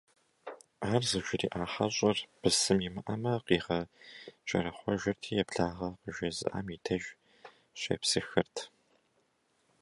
Ар зыжриӀа хьэщӀэр, бысым имыӀэмэ, къигъэкӀэрэхъуэжырти, еблагъэ къыжезыӀам и деж щепсыхырт.